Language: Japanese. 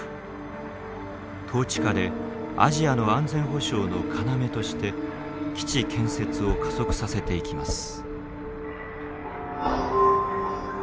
統治下でアジアの安全保障の要として基地建設を加速させていきます。